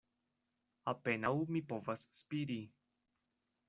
"Apenaŭ mi povas spiri.